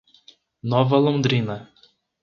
Nova Londrina